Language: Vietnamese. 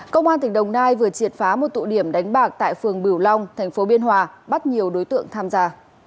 công an tỉnh đồng nai vừa triệt phá một tụ điểm đánh bạc tại phường bửu long thành phố biên hòa bắt nhiều đối tượng tham gia